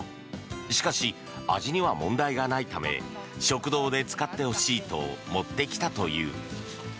しかし、味には問題がないため食堂で使ってほしいと持ってきたという。